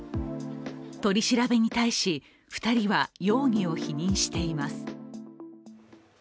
取り調べに対し、２人は容疑を否認しています。